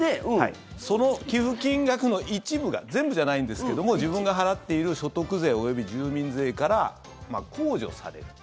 その寄付金額の一部が全部じゃないんですけども自分が払っている所得税及び住民税から控除されると。